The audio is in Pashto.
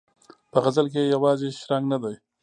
په غزل کې یې یوازې شرنګ نه دی.